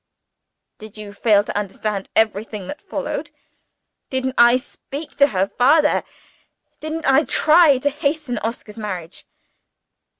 "Did you fail to understand everything that followed? Didn't I speak to her father? Didn't I try to hasten Oscar's marriage?"